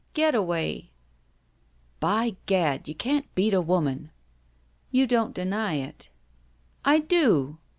Getaway !'' "By gad! you can't beat a woman!" •'You don't deny it." '•I do!"